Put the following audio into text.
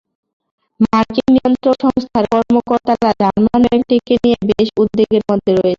মার্কিন নিয়ন্ত্রক সংস্থার কর্মকর্তারা জার্মান ব্যাংকটিকে নিয়ে বেশ উদ্বেগের মধ্যে রয়েছেন।